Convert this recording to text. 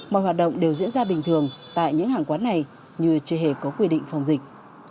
mọi hoạt động đều diễn ra bình thường tại những hàng quán này như chưa hề có quy định phòng dịch